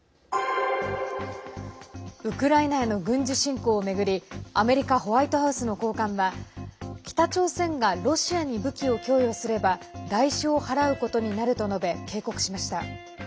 ウクライナへの軍事侵攻を巡りアメリカ・ホワイトハウスの高官は北朝鮮がロシアに武器を供与すれば代償を払うことになると述べ警告しました。